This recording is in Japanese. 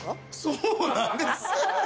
そうなんです。